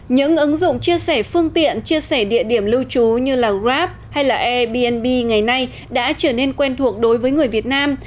những ứng dụng chia sẻ phương tiện chia sẻ địa điểm lưu trú như grab hay airbnb ngày nay đã trở nên quen thuộc đối với người việt nam